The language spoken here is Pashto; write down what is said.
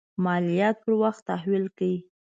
مالیات پر وخت تحویل کړي.